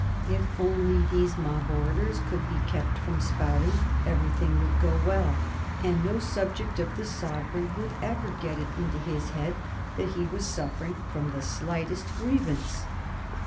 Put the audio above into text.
If only these mob orators could be kept from spouting everything would go well and no subject of the sovereign would ever get it into his head that he was suffering from the slightest grievance.